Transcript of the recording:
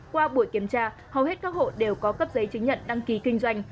qua buổi kiểm tra hầu hết các hộ đều có cấp giấy chứng nhận đăng ký kinh doanh